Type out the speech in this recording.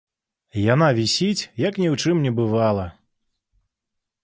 Яна вісіць, як ні ў чым не бывала.